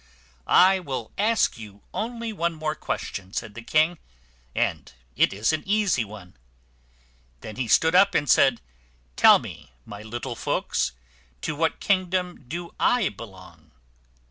"I will ask you only one more question," said the king, "and it is an easy one." Then he stood up, and said, "Tell me, my little folks, to what kingdom do I belong?"